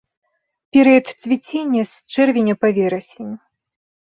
Перыяд цвіцення з чэрвеня па верасень.